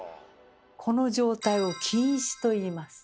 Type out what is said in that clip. この状態を「近視」といいます。